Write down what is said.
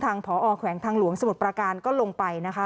ผอแขวงทางหลวงสมุทรประการก็ลงไปนะคะ